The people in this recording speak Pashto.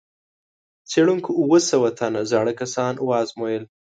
څېړونکو اووه سوه تنه زاړه کسان وازمویل.